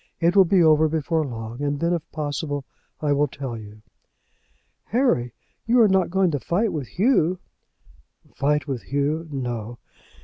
It will be over before long, and then, if possible, I will tell you." "Harry, you are not going to fight with Hugh?" "Fight with Hugh! no.